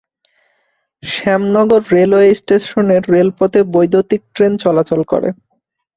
Shyamnagar railway স্টেশনের রেলপথে বৈদ্যুতীক ট্রেন চলাচল করে।